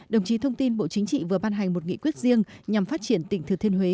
đồng chí thông tin bộ chính trị vừa ban hành một nghị quyết riêng nhằm phát triển tỉnh thừa thiên huế